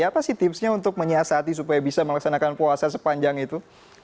apa sih tipsnya untuk menyiasati supaya bisa melaksanakan puasa sepanjang itu